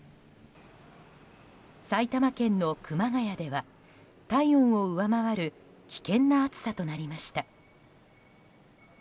埼玉県の熊谷では体温を上回る危険な暑さとなりました。